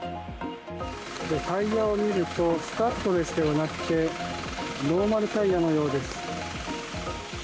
タイヤを見るとスタッドレスではなくてノーマルタイヤのようです。